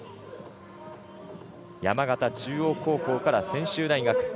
山形中央高校から専修大学。